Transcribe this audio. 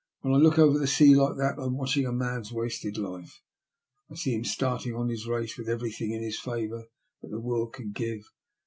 When I look over the sea like thai I am watching a man's wasted life. I see him starting on his race with everything in his favour that the world can give.